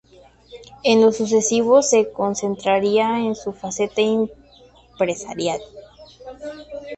En lo sucesivo se concentraría en su faceta empresarial.